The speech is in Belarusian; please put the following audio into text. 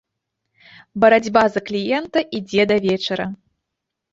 Барацьба за кліента ідзе да вечара.